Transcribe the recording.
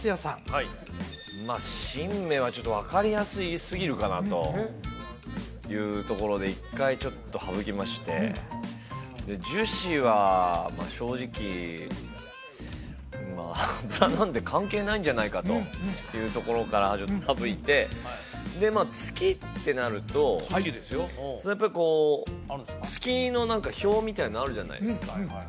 はい新芽はちょっと分かりやすすぎるかなというところで一回ちょっと省きましてで樹脂はまあ正直葉っぱなんで関係ないんじゃないかというところから省いてで月ってなるとこう月の何か表みたいなあるじゃないですか